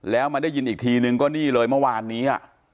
แล้วมาได้ยินอีกทีนึงก็นี่เลยเมื่อวานนี้